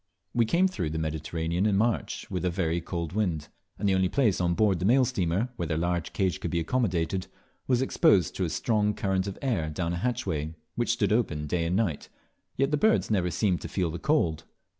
We came through the Mediterranean in March, with a very cold wind; and the only place on board the mail steamer where their large cage could be accommodated was exposed to a strong current of air down a hatchway which stood open day and night, yet the birds never seemed to feel the cold.